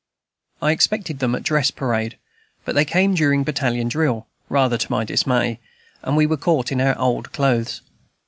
I expected them at dress parade, but they came during battalion drill, rather to my dismay, and we were caught in our old clothes.